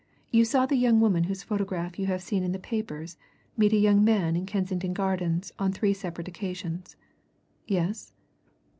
"You saw the young woman whose photograph you have seen in the papers meet a young man in Kensington Gardens on three separate occasions. Yes?"